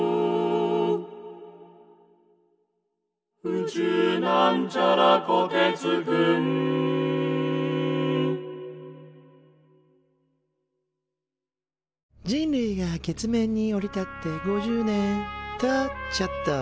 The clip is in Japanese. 「宇宙」人類が月面に降り立って５０年。とちょっと。